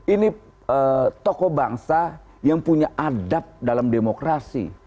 ini tokoh bangsa yang punya adab dalam demokrasi